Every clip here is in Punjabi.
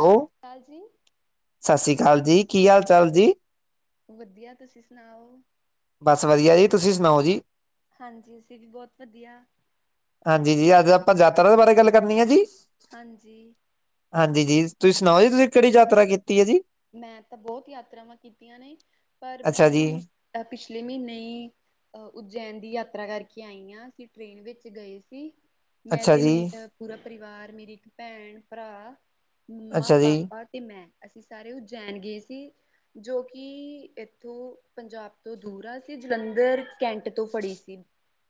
ਦੋ ਉ ਐ ਜੀ ਸਤਿ ਸ਼੍ਰੀ ਅਕਾਲ ਜੀ ਕੀ ਹਾਲ ਚਾਲ ਜੀ ਵਧੀਆ ਤੁਸੀਂ ਸੁਣਾਓ ਬਸ ਵਧੀਆ ਜੀ ਤੁਸੀਂ ਸੁਣਾਓ ਜੀ ਹਾਂਜੀ ਅਸੀਂ ਵੀ ਬਹੁਤ ਵਧੀਆ ਹਾਂਜੀ, ਜੀ ਅੱਜ ਆਪਾਂ ਯਾਤਰਾ ਦੇ ਬਾਰੇ ਗੱਲ ਕਰਨੀ ਆ ਜੀ? ਹਾਂਜੀ। ਹਾਂਜੀ ਜੀ, ਤੁਸੀਂ ਸੁਣਾਓ ਜੀ ਤੁਸੀਂ ਕੇੜੀ ਯਾਤਰਾ ਕੀਤੀ ਐ ਜੀ? ਮੈਂ ਤਾਂ ਬੋਤ ਯਾਤਰਾਵਾਂ ਕੀਤੀਆਂ ਨੇ, ਪਰ ਅੱਛਾ ਮੈਂ ਜੀ ਹੁਣ ਅ ਪਿਛਲੇ ਮੀਨੇ ਈ ਅ ਉੱਜੈਨ ਦੀ ਯਾਤਰਾ ਕਰਕੇ ਆਈ ਆਂ, ਅਸੀਂ ਟ੍ਰੇਨ ਵਿੱਚ ਗਏ ਸੀ। ਮੈਂ ਅੱਛਾ ਤੇ ਜੀ ਮੇਰਾ ਪੂਰਾ ਪਰਿਵਾਰ, ਮੇਰੀ ਇੱਕ ਭੈਣ, ਭਰਾ, ਮੱਮਾ, ਅੱਛਾ ਜੀ ਪਾਪਾ। ਤੇ ਮੈਂ ਅਸੀਂ ਸਾਰੇ ਉੱਜੈਨ ਗਏ ਸੀ। ਜੋ ਕਿ ਏਥੋਂ ਪੰਜਾਬ ਤੋਂ ਦੂਰ ਆ, ਅਸੀ ਜਲੰਧਰ ਕੈਂਟ ਤੋਂ ਫੜੀ ਸੀ।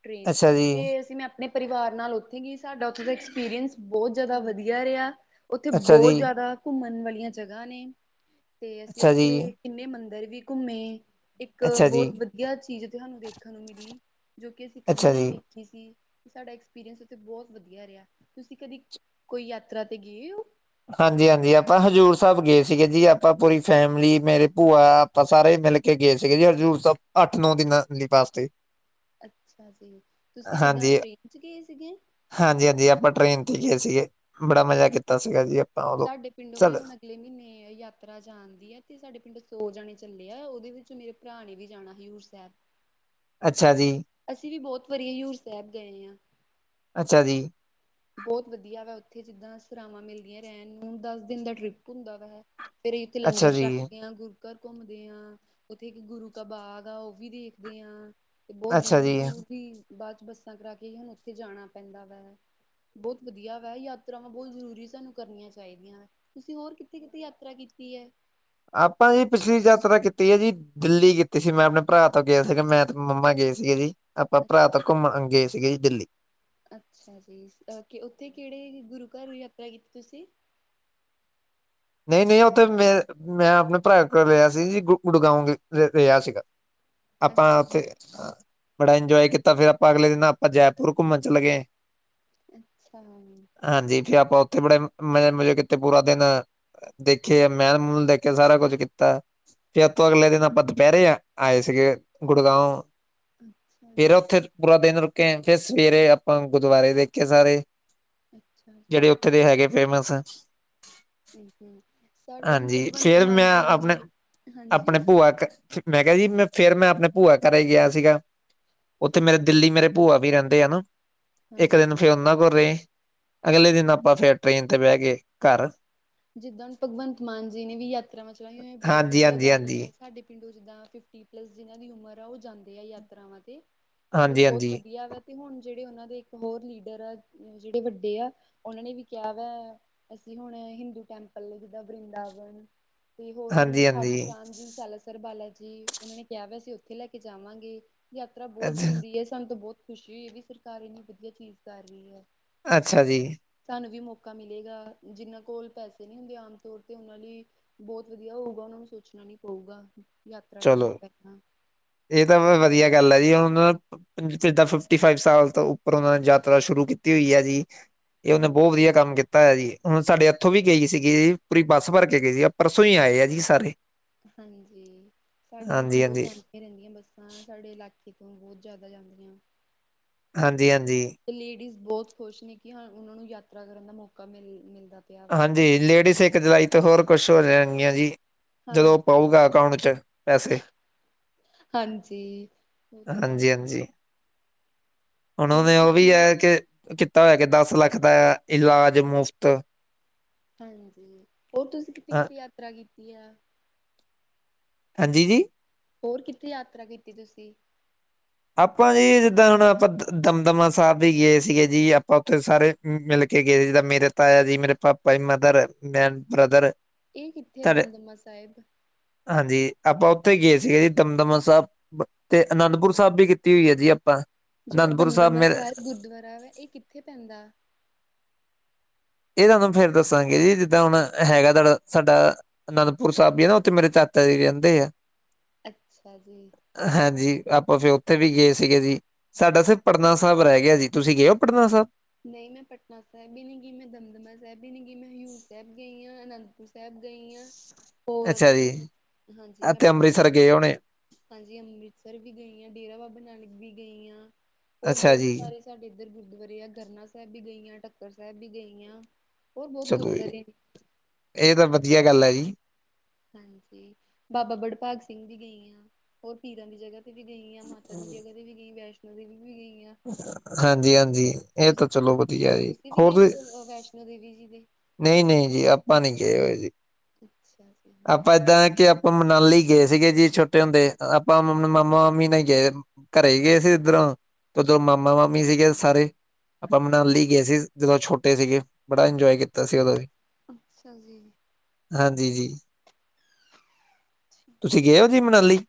ਟ੍ਰੇਨ, ਅੱਛਾ ਜੀ ਤੇ ਅਸੀ ਅਪਨੇ ਪਰਿਵਾਰ ਨਾਲ ਓਥੇ ਗੇ ਸਾਡਾ ਓਥੇ ਦਾ ਐਕਸਪੀਰੀਅੰਸ ਬਉਤ ਜਾਦਾ ਵਧੀਆ ਰੇਯਾ। ਓਥੇ ਅੱਛਾ ਜੀ ਬੋਤ ਜਾਦਾ ਘੁੰਮਣ ਵਾਲੀਆਂ ਜਗ੍ਹਾ ਨੇ। ਤੇ ਅਸੀ ਅੱਛਾ ਜੀ ਓਥੇ ਕਿੰਨੇ ਮੰਦਰ ਵੀ ਕੁੱਮੇ। ਇੱਕ ਅੱਛਾ ਜੀ ਬੋਤ ਵਧੀਆ ਚੀਜ਼ ਹਾਨੂੰ ਦੇਖਨ ਨੂੰ ਮਿਲੀ ਜੋ ਕਿ ਅਸੀਂ ਅੱਛਾ ਕਦੇ ਜੀ ਨੀਂ ਸੀ। ਸਾਡਾ ਐਕਸਪੀਰੀਅੰਸ ਓਥੇ ਬੋਤ ਵਧੀਆ ਰੇਯਾ, ਤੁਸੀਂ ਕਦੀ ਕੋਈ ਯਾਤਰਾ 'ਤੇ ਗੇਓ? ਹਾਂਜੀ-ਹਾਂਜੀ, ਆਪਾਂ ਹਜ਼ੂਰ ਸਾਹਿਬ ਗੇ ਸੀਗੇ ਜੀ ਆਪਾਂ ਪੂਰੀ ਫੈਮਿਲੀ, ਮੇਰੇ ਭੂਆ ਆਪਾਂ ਸਾਰੇ ਮਿਲ ਕੇ ਗੇ ਸੀਗੇ ਜੀ ਹਜ਼ੂੂਰ ਸਾਹਿਬ, ਅੱਠ-ਨੌ ਦਿਨਾਂ ਵਾਸਤੇ ਅੱਛਾ ਜੀ, ਤੁਸੀਂ ਕਿੱਦਾਂ ਟ੍ਰੇਨ ਚ ਗਏ ਸੀਗੇ? ਹਾਂਜੀ-ਹਾਂਜੀ, ਆਪਾਂ ਟ੍ਰੇਨ ਤੇ ਗੇ ਸੀਗੇ, ਬੜਾ ਮਜਾ ਕੀਤਾ ਸੀਗਾ ਜੀ। ਆਪਾਂ ਉਦੋਂ ਸਾਡੇ ਪਿੰਡੋਂ ਵੀ ਚੱਲ ਹੁਨ ਅਗਲੇ ਮੀਨੇ ਯਾਤਰਾ ਜਾਨ ਦੀ ਐ ਤੇ ਸਾਡੇ ਪਿੰਡ ਸੌ ਜਾਣੇ ਚੱਲੇ ਆ, ਓਦੇ ਵਿੱਚ ਭਰਾ ਨੇ ਵੀ ਜਾਨਾਂ ਹੀ, ਹੂਰ ਸੈਬ। ਅੱਛਾ ਜੀ। ਅਸੀ ਵੀ ਬੋਤ ਵਾਰੀ ਜ਼ੁਰ ਸੈਬ ਗਏ ਆਂ। ਅੱਛਾ ਜੀ। ਬੋਤ ਵਧੀਆ ਵਾ ਓਥੇ ਜਿੱਦਾਂ ਸਰਾਵਾਂ ਮਿਲਦੀਆਂ ਰੈਣ ਨੂੰ, ਦਸ ਦਿਨ ਦਾ ਟ੍ਰਿਪ ਹੁੰਦਾ ਵਾ ਹੈ। ਫੇਰ ਐਥੇ ਲੰਗਰ ਅੱਛਾ ਛਕ ਜੀ, ਕੇਆਂ ਗੁਰੂ ਘਰ ਘੁੰਮਦੇ ਆਂ, ਓਥੇ ਇੱਕ ਗੁਰੂ ਕਾ ਬਾਗ ਆ, ਓ ਵੀ ਦੇਖਦੇ ਆਂ। ਤੇ ਬੋਤ ਅੱਛਾ ਜੀ। ਦੂਰ-ਦੂਰ ਵੀ ਬਾਦ 'ਚ ਬੱਸਾਂ ਕਰਾ ਕੇ ਹੀ ਹਾਨੂੰ ਓਥੇ ਜਾਣਾ ਪੈਂਦਾ ਵੈ। ਬੋਤ ਵਧੀਆ ਵਾ, ਯਾਤਰਾਵਾਂ ਬੋਤ ਜ਼ਰੂਰੀ ਸਾਨੂੰ ਕਰਨੀਆਂ ਚਾਈਦੀਆਂ ਵਾ। ਤੁਸੀਂ ਹੋਰ ਕਿੱਥੇ-ਕਿੱਥੇ ਯਾਤਰਾ ਕੀਤੀ ਐ? ਆਪਾਂ ਜੀ ਪਿਛਲੀ ਯਾਤਰਾ ਕੀਤੀ ਐ ਜੀ ਦਿੱਲੀ ਕੀਤੀ ਸੀ, ਮੈਂ ਆਪਣੇ ਭਰਾ ਤੋਂ ਗਯਾਸੀਗਾ ਮੈਂ ਤੇ ਮੰਮਾ ਗਏ ਸੀਗੇ ਜੀ। ਆਪਾਂ ਭਰਾ ਤੋਂ ਘੁੰਮਣ ਗਏ ਸੀਗੇ ਜੀ, ਦਿੱਲੀ। ਅੱਛਾ ਜੀ, ਅ ਉੱਥੇ ਕੇੜੇ ਗੁਰੂ ਘਰ ਯਾਤਰਾ ਕੀਤੀ ਤੁਸੀਂ? ਨਈਂ-ਨਈਂ ਓ ਤੇ ਮੈਂ ਮੈਂ ਅਪਨੇ ਭਰਾ ਕੋਲ ਗਯਾ ਸੀ ਜੀ, ਗੁ ਗੁੜਗਾਉਂ ਰੇਯਾ ਸੀਗਾ। ਆਪਾਂ ਅੱਛਾ ਓਥੇ ਬੜਾ ਇੰਜੋਏ ਕੀਤਾ, ਫੇਰ ਆਪਾਂ ਅਗਲੇ ਦਿਨਾਂ ਆਪਾਂ ਜੈਪੁਰ ਘੁੰਮਣ ਚਲੇ ਗਏ। ਅੱਛਾ। ਹਾਂਜੀ, ਫੇਰ ਆਪਾਂ ਓਥੇ ਬੜੇ ਮਜੇ ਮਜੇ ਕੀਤੇ ਪੂਰਾ ਦੇਨ। ਦੇਖੇ ਮੈਲ-ਮੂਲ ਦੇਖਿਆ ਸਾਰਾ ਕੋਜ ਕੀਤਾ ਤੇ ਆਪਾਂ ਅਗਲੇ ਦਿਨ ਆਪਾਂ ਦੋਪੈਰੇ ਆ ਆਏ ਸੀਗੇ, ਗੁੜਗਾਓ ਅੱਛਾ ਫੇਰ ਜੀ ਓਥੇ ਪੂਰਾ ਦੇਨ ਰੁਕੇ ਫੇ ਸਵੇਰੇ ਆਪਾਂ ਗੁਦੁਆਰੇ ਦੇਖੇ ਸਾਰੇ ਅੱਛਾ ਜੀ। ਥੇ ਦੇ ਹੈਗੇ ਫੇਮਸ ਹੂੰ-ਹੂੰ ਸਾਡੇ ਹੁਣ ਹਾਂਜੀ ਭਗਵੰਤ ਫੇਰ ਮਾਨ ਮੈਂ ਜੀ ਆਪਣੇ- ਨੇ ਹਾਂਜੀ ਆਪਣੇ ਭੂਆ ਮੈਂ ਕਿਹਾ ਜੀ ਮੈਂ ਫੇਰ ਮੈਂ ਆਪਣੇ ਭੂਆ ਘਰੇ ਗਿਆ ਸੀਗਾ। ਉੱਥੇ ਮੇਰੇ ਅੱਛਾ ਜੀ ਦਿੱਲੀ ਮੇਰੇ ਭੂਆ ਵੀ ਰਹਿੰਦੇ ਐ ਨਾ। ਇੱਕ ਦਿਨ ਹਾਂਜੀ ਫੇਰ ਉਹਨਾਂ ਕੋਲ ਰਹੇ, ਅਗਲੇ ਦਿਨ ਆਪਾਂ ਫੇਰ ਟ੍ਰੇਨ ਤੇ ਬਹਿ ਗਏ ਘਰ ਜਿੱਦਾਂ ਹੁਣ ਭਗਵੰਤ ਮਾਨ ਜੀ ਨੇ ਵੀ ਯਾਤਰਾਵਾਂ ਚਲਾਈ ਹੋਈਆਂ ਬੋਤ ਹਾਂਜੀ ਵਧੀਆ ਹਾਂਜੀ ਗਾ ਲ ਹਾਂਜੀ ਆ। ਸਾਡੇ ਪਿੰਡ ਜਿੱਦਾਂ ਫਿਫਟੀ ਪਲੱਸ ਜਿਨਾਂ ਦੀ ਉਮਰ ਆ ਉਹ ਜਾਂਦੇ ਆ ਯਾਤਰਾਵਾਂ 'ਤੇ। ਤੇ ਹਾਂਜੀ ਬੋਤ ਹਾਂਜੀ ਵਧੀਆ ਵਾ ਤੇ ਹੁਣ ਜਿਹੜੇ ਉਹਨਾਂ ਦੇ ਇੱਕ ਹੋਰ ਲੀਡਰ ਆ। ਜਿਹੜੇ ਵੱਡੇ ਆ ਉਹਨਾਂ ਨੇ ਵੀ ਕਿਹਾ ਵਾ ਅਸੀਂ ਹੁਣ ਹਿੰਦੂ- ਟੈਂਪਲ ਨੇ ਜਿੱਦਾਂ ਵਰਦਾਵਨ ਤੇ ਹੋਰ ਉਹਨਾਂ ਨੇ ਹਾਂਜੀ ਖਾਟੂ ਹਾਂਜੀ ਸ਼ਾਮ ਜੀ ਸ- ਬਾਲਾ ਜੀ ਉਹਨਾਂ ਨੇ ਕਿਹਾ ਵਾ ਅਸੀਂ ਉੱਥੇ ਲੈ ਕੇ ਜਾਵਾਂਗੇ ਯਾਤਰਾ ਬੋਤ ਅੱਛਾ ਜ਼ਰੂਰੀ ਹੈ ਸਾਨੂੰ ਤੋਂ ਬੋਤ, ਖੁਸ਼ੀ ਹੋਈ ਹੈ ਵੀ ਸਰਕਾਰ ਇੰਨੀ ਵਧੀਆ ਚੀਜ਼ ਕਰ ਰਹੀ ਐ। ਅੱਛਾ ਜੀ। ਸਾਨੂੰ ਵੀ ਮੌਕਾ ਮਿਲੇਗਾ ਜਿਹਨਾਂ ਕੋਲ ਪੈਸੇ ਨਈ ਹੁੰਦੇ ਆਮ ਤੌਰ ਤੇ ਉਹਨਾਂ ਲਈ, ਬੋਤ ਵਧੀਆ ਹੋਊਗਾ ਉਹਨਾਂ ਨੂੰ ਸੋਚਣਾ ਨੀ ਪਊਗਾ ਯਾਤਰਾ ਕਰਨ ਤ ਚਲੋ ਪਹਿਲਾਂ। ਇਹ ਤਾਂ ਬੋ ਵਧੀਆ ਗੱਲ ਹੈ ਜੀ ਹੁਣ। ਜਦਾਂ ਫਿਫਟੀ ਫਾਈਵ ਸਾਲ ਤੋਂ ਉੱਪਰ ਉਹਨਾਂ ਨੇ ਯਾਤਰਾ ਸ਼ੁਰੂ ਕੀਤੀ ਹੋਈ ਹੈ ਜੀ। ਇਹ ਉਹਨੇ ਬੋਤ ਹਾਂਜੀ ਵਧੀਆ ਕੰਮ ਕੀਤਾ ਤਾ ਜੀ ਹੁਣ ਸਾਡੇ ਇੱਥੋਂ ਵੀ ਗਈ ਸੀਗੀ ਪੂਰੀ ਬੱਸ ਭਰ ਕੇ ਗਈ ਸੀ ਆ ਪਰਸੋਂ ਈ ਆਏ ਆ ਜੀ ਸਾਰੇ। ਹਾਂਜੀ ਸਾਡੇ ਵੀ ਹਾਂਜੀ ਪੇਡੋ ਹਾਂਜੀ ਜਾਂ- ਰਹਿੰਦੀਆਂ ਬੱਸਾਂ ਸਾਡੇ ਇਲਾਕੇ ਤੋਂ ਬੋਤ ਜਾਦਾ ਜਾਂਦੀਆਂ। ਹਾਂਜੀ- ਹਾਂਜੀ। ਤੇ ਲੇਡੀਜ਼ ਬੋਤ ਖੁਸ਼ ਨੇ ਕਿ ਹਾਂ ਉਹਨਾਂ ਨੂੰ ਯਾਤਰਾ ਕਰਨ ਦਾ ਮੌਕਾ ਮਿਲ ਮਿਲਦਾ। ਪਿਆ ਵਾ ਹਾਂਜੀ ਲੇਡੀਸ ਇੱਕ ਜੁਲਾਈ ਤੋਂ ਹੋਰ ਕੁਛ ਹੋ ਜਾਣਗੀਆਂ ਜੀ। ਹਾਂਜੀ ਜਦੋਂ ਪਊਗਾ ਅਕਾਊਂਟ ਚ ਪੈਸੇ। ਹਾਂਜੀ, ਉਹ ਤਾਂ ਹੈ। ਹਾਂਜੀ ਹਾਂਜੀ ਹੁਣ ਹੋਰ ਉਹਨੇ ਉਹ ਵੀ ਤੁਸੀਂ ਐ ਕਿ ਕੀਤਾ ਹੋਇਆ ਕਿ ਦਸ ਲੱਖ ਦਾ ਇਲਾਜ ਮੁਫ਼ਤ। ਹਾਂਜੀ, ਹੋਰ ਤੁਸੀਂ ਕਿੱਥੇ- ਹਾਂ ਕਿੱਥੇ ਯਾਤਰਾ ਕੀਤੀ ਆ। ਹਾਂਜੀ ਜੀ? ਹੋਰ ਕਿੱਥੇ ਯਾਤਰਾ ਕੀਤੀ ਤੁਸੀਂ? ਆਪਾਂ ਜੀ ਜਿੱਦਾਂ ਹੁਣ ਆਪਾਂ ਦਮਦਮਾ ਸਾਹਿਬ ਵੀ ਗਏ ਸੀਗੇ ਜੀ ਆਪਾਂ ਉੱਥੇ ਸਾਰੇ। ਮਿਲ ਕੇ ਗਏ ਜਿੱਦ ਮੇਰੇ ਤਾਇਆ ਜੀ, ਮੇਰੇ ਪਾਪਾ ਜੀ, ਮਦਰ, ਮੈਂ, ਬ੍ਰਦਰ। ਇਹ ਕਿੱਥੇ ਹੈ ਤੁਹਾਡੇ ਦਮਦਮਾ ਸਾਹਿਬ? ਹਾਂਜੀ ਆਪਾਂ ਉੱਥੇ ਗਏ ਸੀਗੇ ਜੀ ਦਮਦਮਾ ਸਾਹਿਬ, ਤੇ ਅਨੰਦਪੁਰ ਸਾਬੀ ਕੀਤੀ ਹੋਈ ਹੈ ਜੀ ਆਪਾਂ। ਜਿਹੜਾ ਅਨੰਦਪੁਰ ਦਮਦਮਬਾ ਮੇਰੇ ਸਾਹਿਬ ਗੁਰਦੁਆਰਾ ਵੇ ਇਹ ਕਿੱਥੇ ਪੈਂਦਾ? ਇਹ ਤੁਹਾਨੂੰ ਫੇਰ ਦੱਸਾਂਗੇ ਜੀ ਜਿੱਦਾਂ ਹੁਣ ਹੈਗਾ ਤੁਹਾਡਾ ਸਾਡਾ। ਅਨੰਦਪੁਰ ਸਾਹਿਬ ਵੀ ਆ ਨਾ ਉੱਥੇ ਮੇਰੇ ਚਾਚਾ ਜੀ ਰਹਿੰਦੇ ਆ। ਅੱਛਾ ਜੀ। ਹਾਂਜੀ ਆਪਾਂ ਫੇਰ ਉੱਥੇ ਵੀ ਗਏ ਸੀਗੇ ਜੀ। ਸਾਡਾ ਸਿਰਫ ਪਟਨਾ ਸਾਹਿਬ ਰਹਿ ਗਿਆ ਜੀ, ਤੁਸੀਂ ਗਏ ਓ ਪਟਨਾ ਸਾਹਿਬ? ਨਈ ਮੈਂ ਪਟਨਾ ਸਾਹਿਬ ਵੀ ਨਈ ਗਈ, ਮੈਂ ਦਮਦਮਾ ਸਾਹਿਬ ਵੀ ਨੀ ਗਈ, ਮੈਂ ਹਜ਼ੂਰ ਸਾਹਿਬ ਗਈ ਆ, ਅਨੰਦਪੁਰ ਸਾਹਿਬ ਗਈ ਆ। ਅੱਛਾ ਜੀ ਹੋਰ ਹਾਂਜੀ ਮੈਂ ਅਤੇ ਪਟਨਾ ਅੰਮ੍ਰਿਤਸਰ ਸਾਹਿਬ। ਗਏ ਹੋਣੇ ਹਾਂਜੀ ਅੰਮ੍ਰਿਤਸਰ ਵੀ ਗਈ ਆ, ਡੇਰਾ ਬਾਬਾ ਨਾਨਕ ਵੀ ਗਈ ਆ ਹੋਰ ਅੱਛਾ ਬਹੋਤ ਜੀ ਸਾਰੇ। ਸਾਡੇ ਇੱਧਰ ਗੁਰਦੁਆਰੇ ਆ ਗਰਨਾ ਸਾਹਿਬ ਵੀ ਗਈ ਆ, ਟੱਕਰ ਸਾਹਿਬ ਵੀ ਗਈ ਆ। ਚਲੋ ਜੀ ਇਹ ਤਾਂ ਵਧੀਆ ਗੱਲ ਆ ਜੀ। ਹਾਂਜੀ ਬਾਬਾ ਵੜਭਾਗ ਸਿੰਘ ਵੀ ਗਈ ਹਾਂ ਹੋਰ ਪੀਰਾਂ ਦੀ ਜਗ੍ਹਾ ਵੀ ਗਈ ਹਾਂ ਮਾਤਾ ਦੀ ਜਗਾ ਤੇ ਵੀ ਗਈ ਵੈਸ਼ਨੋ ਦੇਵੀ ਵੀ ਗਈ ਆਂ ਹਾਂਜੀ- ਹਾਂਜੀ ਐਹ ਤਾਂ ਚਲੋ ਵਧੀਆ ਜੀ ਤੁਸੀਂ ਵੀ ਹੋਰ ਗਏ ਤੁਸੀ ਹੋ ਅ, ਵੈਸ਼ਨੋ ਦੇਵੀ ਜੀ ਦੇ ਨਹੀਂ- ਨਹੀਂ ਜੀ ਆਪਾਂ ਨੀ ਗਏ ਹੋਏ ਜੀ ਅੱਛਾ ਜੀ ਆਪਾਂ ਐਦਾਂ ਕਿ ਅਪ ਆਪਾਂ ਮਨਾਲੀ ਗਏ ਸੀਗੇ ਜੀ ਛੋਟੇ ਹੁੰਦੇ ਆਪਾਂ ਮਾਮਾ ਮਾਮੀ ਨਾਲ ਗਏ ਘਰੇ ਗਏ ਸੀ ਇੱਧਰੋਂ, ਉਧਰੋਂ ਮਾਮਾ ਮਾਮੀ ਸੀਗੇ ਸਾਰੇ ਆਪਾਂ ਮਨਾਲੀ ਗਏ ਸੀ ਜਦੋਂ ਛੋਟੇ ਸੀਗੇ ਬੜਾ ਇੰਜੋਏ ਕੀਤਾ ਸੀ ਉਦੋਂ ਵੀ ਅੱਛਾ ਜੀ ਹਾਂਜੀ ਜੀ ਤੁਸੀਂ ਠੀਕ ਹੈ ਗਏ ਹੋ ਜੀ ਮਨਾਲੀ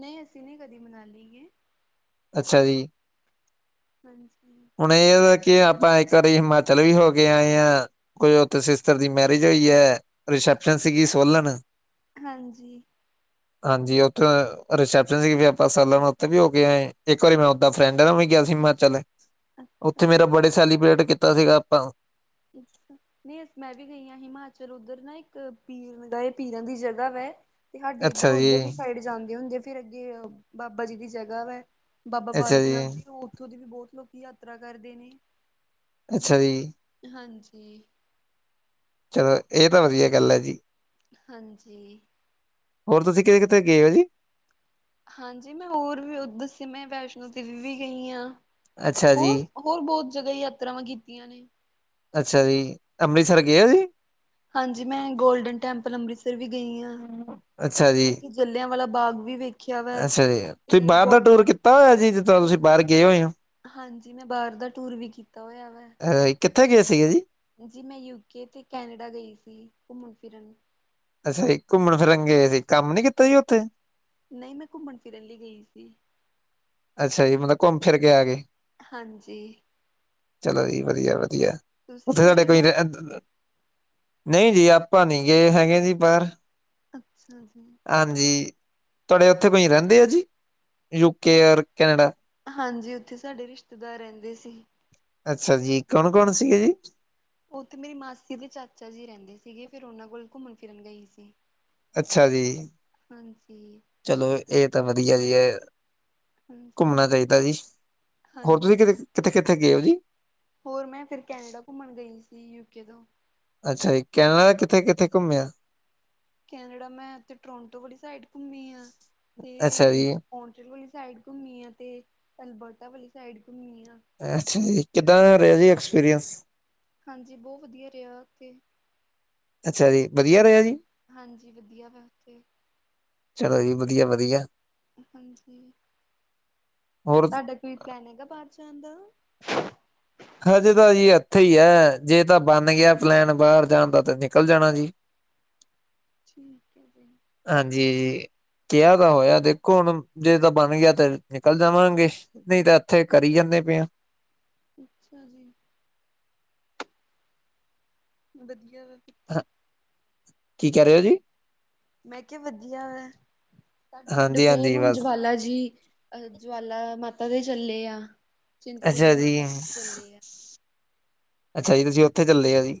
ਨਹੀਂ ਅਸੀਂ ਨਹੀਂ ਕਦੀ ਮਨਾਲੀ ਗਏ ਅੱਛਾ ਜੀ। ਹਾਂਜੀ। ਹੁਣ ਏ ਕੀ ਆਪਾਂ ਇੱਕ ਵਾਰੀ ਹਿਮਾਚਲ ਵੀ ਹੋ ਕੇ ਆਏ ਹਾਂ। ਕੋਈ ਉੱਥੇ ਸਿਸਟਰ ਦੀ ਮੈਰਿਜ ਹੋਈ ਐ ਰਿਸੈਪਸ਼ਨ ਸੀਗੀ ਸੋਲਨ। ਹਾਂਜੀ। ਹਾਂਜੀ ਉੱਥੇ ਰੀਸੈਪਸ਼ਨ ਸੀ ਆਪਾਂ ਸਾਲਨ ਉੱਥੇ ਵੀ ਹੋ ਕੇ ਆਏ ਇੱਕ ਵਾਰੀ ਮੈਂ ਦਾ ਫਰੈਂਡ ਨਾ ਉਹ ਵੀ ਗਿਆ ਸੀ ਹਿਮਾਚਲ, ਉੱਥੇ ਅੱਛਾ ਮੇਰਾ ਜੀ ਬਡੇ ਸੈਲੀਬ੍ਰੇਟ ਕੀਤਾ ਸੀਗਾ ਆਪਾਂ। ਅੱਛਾ। ਨਈ ਮੈਂ ਵੀ ਗਈ ਆਂ ਹਿਮਾਚਲ ਉੱਧਰ ਨਾ ਇੱਕ ਪੀਰ ਨਿਗਾਹੇ ਪੀਰਾਂ ਦੀ ਜਗ੍ਹਾ ਵੈ। ਤੇ ਹਾਡੇ ਅੱਛਾ ਇੱਧਰੋਂ ਜੀ, ਉੱਧਰਲੀ ਸਾਈਡ ਜਾਂਦੇ ਹੁੰਦੇ ਆ ਫੇਰ ਅੱਗੇ ਬਾਬਾ ਜੀ ਦੀ ਜਗ੍ਹਾ ਵੈ। ਬਾਬਾ ਬਾਲਕ ਨਾਥ ਜੀ ਉੱਥੋਂ ਦੀ ਵੀ ਬੋਤ ਲੋਕੀ ਯਾਤਰਾ ਕਰਦੇ ਨੇ। ਅੱਛਾ ਜੀ। ਹਾਂਜੀ। ਚਲੋ ਇਹ ਤਾਂ ਵਧੀਆ ਗੱਲ ਐ ਜੀ। ਹਾਂਜੀ। ਹੋਰ ਤੁਸੀਂ ਕੇ ਕਿੱਥੇ ਗਏ ਉਹ ਜੀ? ਹਾਂਜੀ ਮੈਂ ਹੋਰ ਵੀ ਓ ਦੱਸੋ ਮੈਂ ਵੈਸ਼ਨੋ ਦੇਵੀ ਵੀ ਗਈ ਆ। ਅੱਛਾ ਜੀ, ਹੋਰ-ਹੋਰ ਬਹੁਤ ਜਗ੍ਹਾ ਯਾਤਰਾਵਾਂ ਕੀਤੀਆਂ ਨੇ। ਅੱਛਾ ਜੀ ਅੰਮ੍ਰਿਤਸਰ ਗਏ ਓ ਤੁਸੀ। ਹਾਂਜੀ ਮੈਂ ਗੋਲਡਨ ਟੈਂਪਲ ਅੰਮ੍ਰਿਤਸਰ ਤੇ ਵੀ ਗਈ ਆ, ਅੱਛਾ ਜੀ, ਉੱਥੇ ਜਲਿਆਂ ਵਾਲਾ ਬਾਗ ਵੀ ਵੇਖਿਆ ਵਾ, ਤੇ ਬੋਡਰ ਤਾ ਜੀ ਜਿੱਦਾਂ ਤੁਸੀਂ ਬਾਹਰ ਗਏ ਹੋਏ ਹਾਂ। ਹਾਂਜੀ ਮੈਂ ਬਾਹਰ ਦਾ ਟੂਰ ਵੀ ਕੀਤਾ ਹੋਇਆ ਵੈ। ਅ ਕਿੱਥੇ ਗਏ ਸੀਗੇ ਜੀ? ਜੀ ਮੈਂ ਯੂਕੇ ਤੇ ਕੈਨੇਡਾ ਗਈ ਸੀ ਘੁੰਮਨ ਫਿਰਨ। ਅੱਛਾ ਜੀ ਘੁੰਮਨ ਫਿਰਨ ਗੇ ਸੀਂ ਕੰਮ ਨੀ ਕੀਤਾ ਸੀ ਓਥੇ? ਨਈ ਮੈਂ ਘੁੰਮਨ ਫਿਰਨ ਲਈ ਗਈ ਸੀ। ਅੱਛਾ ਜੀ ਮਤਲਬ ਘੁੰਮ ਫਿਰ ਕੇ ਆ ਗਏ ਹਾਂਜੀ ਚਲੋ ਜੀ ਵਧੀਆ ਵਧੀਆ। ਤੁਸੀਂ ਉੱਥੇ ਨੀ ਸਾਡੇ ਗਏ ਕੋਈ ਰ ਬਾਹਰ ਨਈ ਜੀ ਆਪਾਂ ਨੀ ਗਏ ਹੈਗੇ ਜੀ ਬਾਹਰ। ਅੱਛਾ ਜੀ। ਹਾਂਜੀ, ਤੁਹਾਡੇ ਉੱਥੇ ਕੋਈ ਰਹਿੰਦੇ ਆ ਜੀ। ਹਾਂ, ਯੂਕੇ ਔਰ ਕੈਨੇਡਾ ਹਾਂਜੀ ਉੱਥੇ ਸਾਡੇ ਰਿਸ਼ਤੇਦਾਰ ਰਹਿੰਦੇ ਸੀ। ਅੱਛਾ ਜੀ ਕੌਣ-ਕੌਣ ਸੀਗੇ ਜੀ? ਉੱਥੇ ਮੇਰੀ ਮਾਸੀ ਤੇ ਚਾਚਾ ਜੀ ਰੈਂਦੇ ਸੀਗੇ ਫੇਰ ਉਨਾਂ ਕੋਲ ਘੁੰਮਣ ਫਿਰਨ ਗਈ ਸੀ। ਅੱਛਾ ਜੀ ਹਾਂਜੀ ਚਲੋ ਇਹ ਤਾਂ ਵਧੀਆ ਜੀ ਏ। ਹਾਂਜੀ ਘੁੰਮਣਾ ਚਾਈਦਾ ਜੀ। ਹੋਰ ਤੁਸੀਂ ਹਾਂਜੀ ਕਿਥੇ, ਕਿੱਥੇ-ਕਿੱਥੇ ਗਏ ਓ ਜੀ? ਹੋਰ ਮੈਂ ਫਿਰ ਕੈਨੇਡਾ ਘੁੰਮਣ ਗਈ ਸੀ ਯੂਕੇ ਤੋਂ। ਅੱਛਾ ਜੀ ਕੈਨੇਡਾ ਕਿੱਥੇ-ਕਿੱਥੇ ਘੁੰਮਿਆ? ਕੈਨੇਡਾ ਮੈਂ ਤੇ ਟੋਰੰਟੋ ਵਾਲੀ ਸਾਈਡ ਘੁੰਮੀ ਆ। ਅੱਛਾ ਤੇ ਜੀ ਓਚਲ ਵਾਲੀ ਸਾਈਡ ਘੁੰਮੀ ਆ, ਤੇ ਅਲਬਰਟਾ ਵਾਲੀ ਸਾਈਡ ਘੁੰੰਮੀ ਆ। ਅੱਛਾ ਜੀ ਕਿੱਦਾਂ ਦਾ ਰਿਆ ਜੀ ਐਕਸਪੀਰੀਅੰਸ! ਹਾਂਜੀ ਬੋ ਵਧੀਆ ਰਿਆ ਓਥੇ। ਅੱਛਾ ਜੀ। ਵਧੀਆ ਬ ਰਿਹਾ ਜੀ ਹਾਂਜੀ ਵਧੀਆ ਵਾ ਉੱਥੇ। ਚਲੋ ਜੀ, ਵਧੀਆ-ਵਧੀਆ। ਹਾਂਜੀ। ਹੋਰ ਤੁਹਾਡਾ ਕੋਈ ਪਲੈਨ ਹੈਗਾ ਬਾਰ ਜਾਣ ਦਾ? ਹਜੇ ਤਾਂ ਜੀ ਐਥੇ ਈ ਐ, ਜੇ ਤਾਂ ਬਣ ਗਿਆ ਪਲੈਨ ਬਾਰ ਜਾਣ ਦਾ ਤਾਂ ਨਿਕਲ ਜਾਣਾ ਜੀ। ਠੀਕ ਐ ਜੀ। ਹਾਂਜੀ। ਕਿਹਾ ਤਾ ਹੋਇਆ ਦੇਖੋ ਹੁਣ, ਜੇ ਤਾਂ ਬਣ ਗਿਆ ਤੇ ਨਿਕਲ ਜਾਵਾਂਗੇ ਨਹੀਂ ਤਾਂ ਇੱਥੇ ਕਰੀ ਜਾਂਦੇ ਪਏ ਆਂ। ਅੱਛਾ ਜੀ। ਵਧੀਆ ਵਾ ਫਿਰ ਤਾਂ ਹ, ਕੀ ਕਹਿ ਰਹੇ ਹੋ ਜੀ? ਮੈਂ ਕਿਹਾ ਵਧੀਆ ਵਾ, ਤੁਹਾਡੇ ਪਿੰਡੋਂ ਫੇਰ ਹਾਂਜੀ-ਹਾਂਜੀ ਹੁਣ ਬਸ ਜਵਾਲਾ ਜੀ ਅਹ ਜਵਾਲਾ ਮਾਤਾ ਦੇ ਚੱਲੇ ਆ, ਅੱਛਾ ਚਿੰਤਪੂਰਨੀ ਜੀ, ਮਾਤਾ ਤੇ ਚੱਲੇ ਆ। ਅੱਛਾ ਜੀ ਤੁਸੀਂ ਉੱਥੇ ਚੱਲੇ ਆ ਜੀ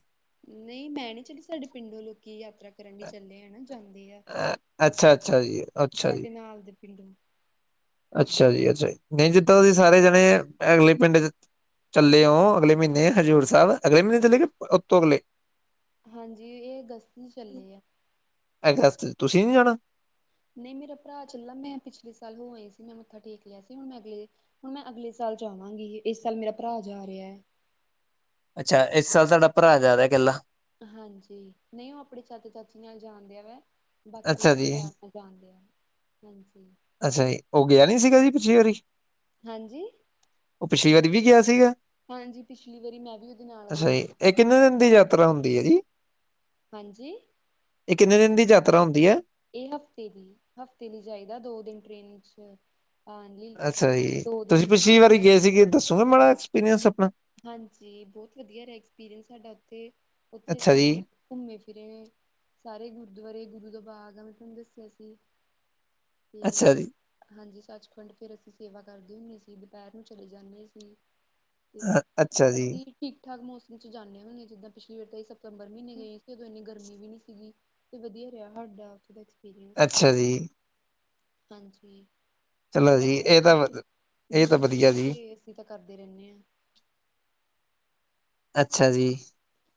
ਨਹੀਂ ਮੈਂ ਨੀ ਚੱਲੀ, ਸਾਡੇ ਪਿੰਡੋਂ ਲੋਕੀ ਯਾਤਰਾ ਕਰਨ ਲਈ ਚੱਲੇ ਆ ਨਾ ਜਾਂਦੇ ਆ। ਅ ਅੱਛਾ-ਅੱਛਾ ਜੀ, ਅੱਛਾ ਜੀ। ਸਾਡੇ ਨਾਲ ਦੇ ਪਿੰਡੋਂ ਅੱਛਾ ਜੀ-ਅੱਛਾ ਜੀ। ਨਹੀਂ ਜਿੱਦਾ ਤੁਸੀਂ ਸਾਰੇ ਜਾਣੇ ਅਗਲੇ ਪਿੰਡ ਚ ਚੱਲੇਓ ਅਗਲੇ ਮਹੀਨੇ ਹਜ਼ੂਰ ਸਾਹਿਬ ਅਗਲੇ ਮਹੀਨੇ ਹਾਂ ਚਲੇ ਗਏ ਉਤੋਂ ਅਗਲੇ ਹਾਂਜੀ ਇਹ ਅਗਸਤ ਨੁ ਚੱਲੇ ਆਂ। ਐ ਅਗੱਸਤ ਚ ਤੁਸੀਂ ਨੀ ਜਾਣਾ ਨਹੀਂ ਮੇਰਾ ਭਰਾ ਚਲਾ, ਮੈਂ ਪਿਛਲੇ ਸਾਲ ਹੋ ਆਈ ਸੀ ਮੈਂ ਮੱਥਾ ਟੇਕ ਲਿਆ ਸੀ ਹੁਣ ਮੈਂ ਅਗਲੇ ਹੁਣ ਮੈਂ ਅਗਲੇ ਸਾਲ ਜਾਵਾਂਗੀ, ਇਸ ਸਾਲ ਮੇਰਾ ਭਰਾ ਜਾ ਰਿਹਾ ਹੈ ਅੱਛਾ ਇਸ ਸਾਲ ਤੁਹਾਡਾ ਭਰਾ ਜਾ ਰਿਹਾ ਇਕੱਲਾ ਹਾਂਜੀ, ਨਹੀਂ ਉਹ ਆਪਣੇ ਚਾਚਾ-ਚਾਚੀ ਨਾਲ ਜਾਣਦਿਆ ਵੈ, ਬਾਕੀ ਅੱਛਾ ਜੀ, ਪਰਿਵਾਰ [unintelligible] ਹਾਂਜੀ। ਅੱਛਾ ਜੀ, ਉਹ ਗਿਆ ਨੀ ਸੀਗਾ ਜੀ ਪਿਛਲੀ ਵਾਰੀ ਹਾਂਜੀ। ਉਹ ਪਿਛਲੀ ਵਾਰੀ ਵੀ ਗਿਆ ਸੀਗਾ? ਹਾਂਜੀ ਪਿਛਲੀ ਵਾਰੀ ਮੈਂ ਵੀ ਉਹਦੇ ਨਾਲ ਅੱਛਾ ਗਈ ਜੀ, ਇਹ ਕਿੰਨੇ ਦਿਨ ਦੀ ਯਾਤਰਾ ਹੁੰਦੀ ਹੈ ਜੀ ਹਾਂਜੀ। ਇਹ ਕਿੰਨੇ ਦਿਨ ਦੀ ਯਾਤਰਾ ਹੁੰਦੀ ਹੈ? ਇਹ ਹਫ਼ਤੇ ਦੀ, ਹਫ਼ਤੇ ਲਈ ਜਾਇਦਾ ਦੋ ਦਿਨ ਟ੍ਰੇਨ ਚ ਹਾਂਜੀ ਅੱਛਾ ਜੀ, ਦੋ ਤੁਸੀਂ ਦਿਨ ਪਿਛਲੀ ਆਉਣ ਵਾਰੀ ਗਏ ਸੀਗੇ ਦੱਸੋਗੇ ਮਾੜਾ ਐਕਸਪੀਰੀਅੰਸ ਆਪਣਾ ਹਾਂਜੀ ਬਹੁਤ ਵਧੀਆ ਰਿਹਾ ਐਕਸਪੀਰੀਅੰਸ ਸਾਡਾ ਉੱਥੇ, ਉੱਥੇ ਅੱਛਾ ਅਸੀਂ ਜੀ, ਘੁੰਮੇ ਫਿਰੇ, ਸਾਰੇ ਗੁਰਦੁਆਰੇ ਗੁਰੂ ਦਾ ਬਾਗ ਆ ਮੈਂ ਤੁਹਾਨੂੰ ਦੱਸਿਆ ਸੀ ਤੇ ਅੱਛਾ ਜੀ, ਹਾਂਜੀ, ਸੱਚਖੰਡ ਫੇਰ ਅਸੀਂ ਸੇਵਾ ਕਰਦੇ ਹੁੰਦੇ ਸੀ, ਦੁਪੇਹਰ ਨੂੰ ਚਲੇ ਜਾਂਦੇ ਸੀ। ਤੇ ਅ ਅੱਛਾ ਜੀ, ਅਸੀਂ ਠੀਕ- ਠਾਕ ਮੌਸਮ ਚ ਜਾਂਦੇ ਹੁੰਦੇ ਆਂ। ਜਿੱਦਾਂ ਪਿਛਲੀ ਵਾਰ ਤਾਂ ਅਸੀਂ ਸਭ ਸਤੰਬਰ ਮਹੀਨੇ ਗਈ ਸੀ, ਉਦੋਂ ਏਨੀ ਗਰਮੀ ਵੀ ਨੀ ਸੀਗੀ, ਤੇ ਵਧੀਆ ਰੇਆ ਹਾਡਾ। ਪਿਰਿਯਡ, ਅੱਛਾ ਜੀ, ਹਾਂਜੀ। ਚਲੋ ਜੀ ਯਾਤਰਾ ਇਹ ਤਾਂ ਵ ਮਤਲਬ ਇਹ ਤਾਂ ਜ਼ਰੂਰੀ ਵਧੀਆ ਆ, ਜੀ, ਤੇ ਅਸੀਂ ਤਾਂ ਕਰਦੇ ਰਹਿੰਨੇ ਆਂ। ਅੱਛਾ ਜੀ,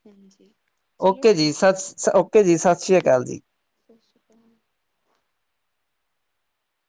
ਹਾਂਜੀ ਚਲੋ ਓਕੇ ਜੀ, ਠੀਕ ਹੈ ਸਤ- ਓਕੇ ਜੀ, ਸਤਿ ਸ੍ਰੀ ਅਕਾਲ ਜੀ। ਸਤਿ ਸ਼੍ਰੀ ਅਕਾਲ।